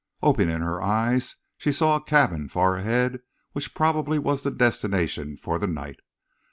Opening her eyes, she saw a cabin far ahead which probably was the destination for the night.